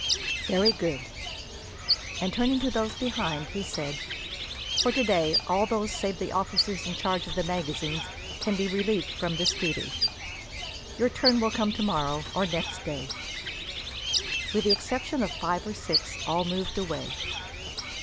"Very good;" and, turning to those behind, he said: "For today, all those save the officers in charge of the magazines can be relieved from this duty. Their turn will come tomorrow, or next day." With the exception of five or six, all moved away.